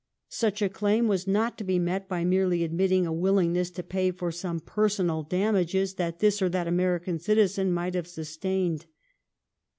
Such a claim was not to be met by merely admitting a willingness to pay for any personal damages that this or that American citizen might have sus tained.